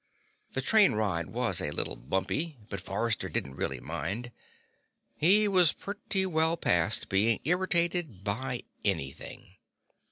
The train ride was a little bumpy, but Forrester didn't really mind. He was pretty well past being irritated by anything.